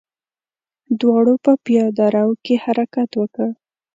دواړو په پياده رو کې حرکت وکړ.